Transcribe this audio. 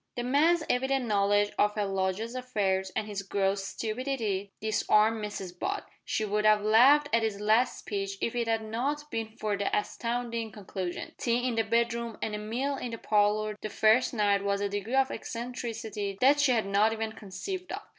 The man's evident knowledge of her lodger's affairs, and his gross stupidity, disarmed Mrs Butt. She would have laughed at his last speech if it had not been for the astounding conclusion. Tea in the bedroom and a mill in the parlour the first night was a degree of eccentricity she had not even conceived of.